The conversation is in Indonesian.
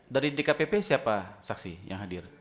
dari dkpp siapa saksi yang hadir